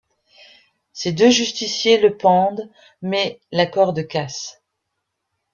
Ses deux justiciers le pendent, mais, la corde casse...